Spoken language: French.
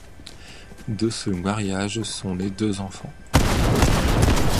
De ce mariage sont nés deux enfants.